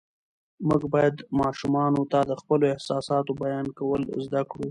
موږ باید ماشومانو ته د خپلو احساساتو بیان کول زده کړو